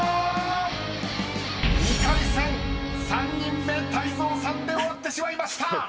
［２回戦３人目泰造さんで終わってしまいました］